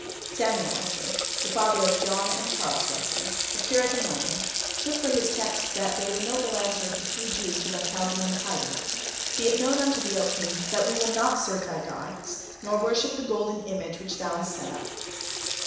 Samuel Wesley, the father of John and Charles Wesley, a curate in London, took for his text that day the noble answer of the three Jews to the Chaldean tyrant. "Be it known unto thee, O King, that we will not serve thy gods, nor worship the golden image which thou hast set up."